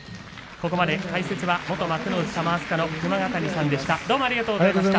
ここまで解説は元玉飛鳥の熊ヶ谷さんでした。